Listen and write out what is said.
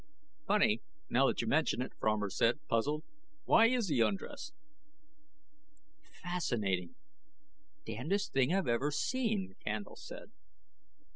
"Funny, now that you mention it," Fromer said, puzzled, "why is he undressed?" "Fascinating! Damnedest thing I've ever seen," Candle said.